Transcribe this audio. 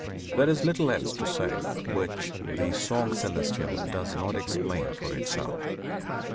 There is little else to say which the "Song Celestial" does not explain for itself.